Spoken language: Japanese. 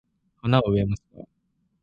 花を植えました。